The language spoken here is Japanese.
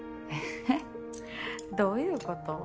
えっ？どういうこと？